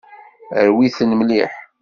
Rwi-ten mliḥ.